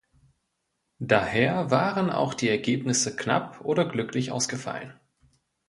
Daher waren auch die Ergebnisse knapp oder glücklich ausgefallen.